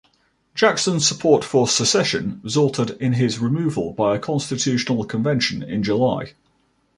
Jackson's support for secession resulted in his removal by a constitutional convention in July.